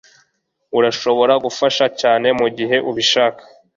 Urashobora gufasha cyane mugihe ubishaka